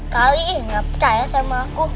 kali ini gak percaya sama aku